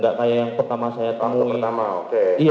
gak kayak yang pertama saya temui